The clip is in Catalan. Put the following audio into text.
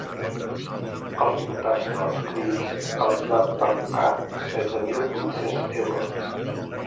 Als diputats no adscrits els va pertocar setze mil vuit-cents euros.